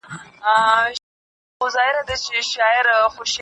عبدالواحد مفتون